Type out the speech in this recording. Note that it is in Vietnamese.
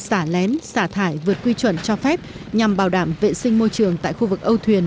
xả lén xả thải vượt quy chuẩn cho phép nhằm bảo đảm vệ sinh môi trường tại khu vực âu thuyền